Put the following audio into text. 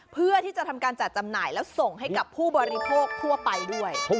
เพื่อที่จะทำการจัดจำหน่ายแล้วส่งให้กับผู้บริโภคทั่วไปด้วย